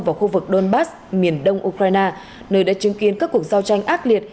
vào khu vực donbass miền đông ukraine nơi đã chứng kiến các cuộc giao tranh ác liệt